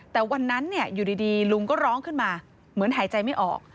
แต่วันนั้นอยู่ดีลุงก็ร้องขึ้นมาเหมือนหายใจไม่ออก